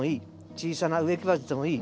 小さな植木鉢でもいい。